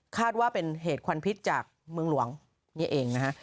ว่าเป็นเหตุควันพิษจากเมืองหลวงนี่เองนะฮะ